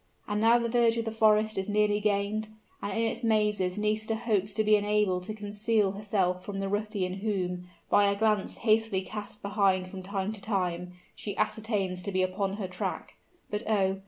And now the verge of the forest is nearly gained; and in its mazes Nisida hopes to be enabled to conceal herself from the ruffian whom, by a glance hastily cast behind from time to time, she ascertains to be upon her track. But, oh!